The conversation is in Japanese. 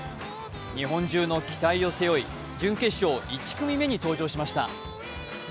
日本中の期待を背負い、準決勝１組目に登場しました。